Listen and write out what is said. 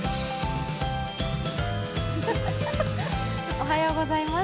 おはようございます。